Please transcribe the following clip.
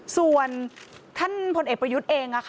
ส่วนท่านพลเอกประยุทธ์เอง